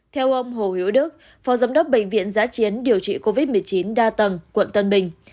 theo ông hồ hữu đức phó giám đốc bệnh viện giã chiến điều trị covid một mươi chín đa tầng quận tân bình